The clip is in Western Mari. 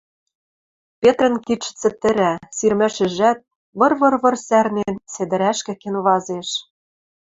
Петрӹн кидшӹ цӹтӹрӓ, сирмӓшӹжӓт, выр-выр-выр сӓрнен, седӹрӓшкӹ кенвазеш.